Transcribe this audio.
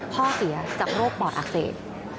พ่อเสียจากโรคปอดอักเสบ